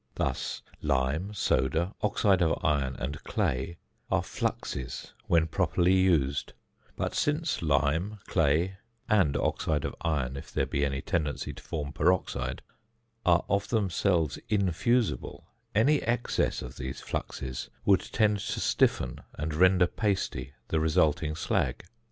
Thus lime, soda, oxide of iron, and clay, are fluxes when properly used; but since lime, clay (and oxide of iron if there be any tendency to form peroxide), are of themselves infusible, any excess of these fluxes would tend to stiffen and render pasty the resulting slag.